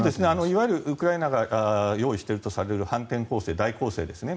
いわゆるウクライナが用意しているとされる反転攻勢、大攻勢ですね。